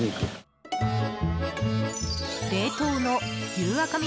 冷凍の牛赤身